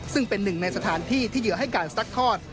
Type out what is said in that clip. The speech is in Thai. ซึ่งเป็นหนึ่งในสถานที่ที่เหยื่อให้การซักทอด